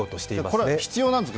これは必要なんですか？